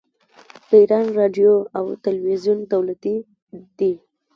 د ایران راډیو او تلویزیون دولتي دي.